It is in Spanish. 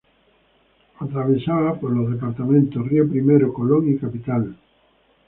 Atravesaba por los departamentos Río Primero, Colón y Capital.